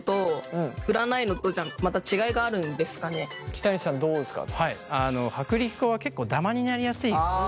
北西さんどうですか？